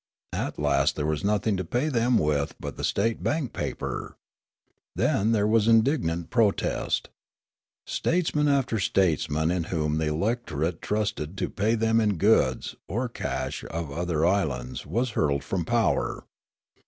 At last there was nothing to pay them with but the state bank paper. Then there was indignant protest. States man after statesman in whom the electorate trusted to pay them in goods or the cash of other islands was hurled from power.